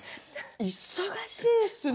忙しいですね。